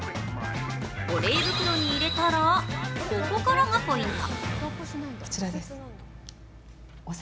保冷袋に入れたら、ここからがポイント。